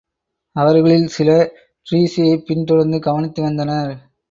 அவர்களில் சிலர் டிரீஸியைப் பின்தொடர்ந்து கவனித்து வந்தனர்.